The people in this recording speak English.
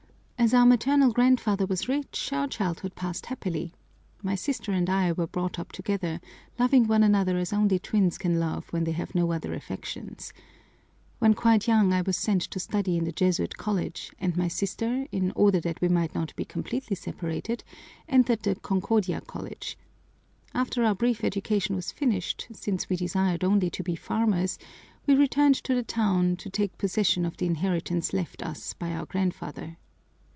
As our maternal grandfather was rich our childhood passed happily. My sister and I were brought up together, loving one another as only twins can love when they have no other affections. When quite young I was sent to study in the Jesuit College, and my sister, in order that we might not be completely separated, entered the Concordia College. After our brief education was finished, since we desired only to be farmers, we returned to the town to take possession of the inheritance left us by our grandfather.